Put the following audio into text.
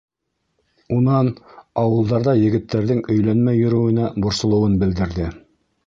Унан ауылдарҙа егеттәрҙең өйләнмәй йөрөүенә борсолоуын белдерҙе.